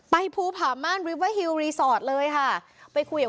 ไปภูฑะมานม์รีเวอร์ฮิวเรซอร์ทเลยค่ะไปคุยกับ